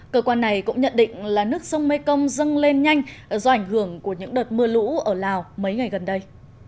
cơ quan này cũng nhận định là nước sông mekong dâng lên nhanh do ảnh hưởng của những đợt mưa lũ ở lào mấy ngày gần đây